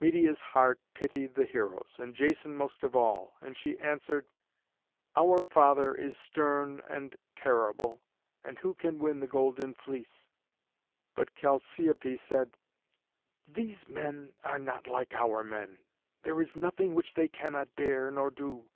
Medeia's heart pitied the heroes, and Jason most of all, and she answered, "Our father is stern and terrible, and who can win the Golden Fleece?" But Chalciope said, "These men are not like our men; there is nothing which they cannot dare nor do."